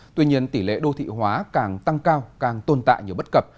tuy nhiên tỷ lệ đô thị hóa càng tăng cao càng tồn tại nhiều bất cập